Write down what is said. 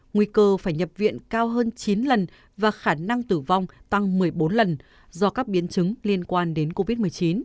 nguy cơ phải nhập viện cao hơn chín lần và khả năng tử vong tăng một mươi bốn lần do các biến chứng liên quan đến covid một mươi chín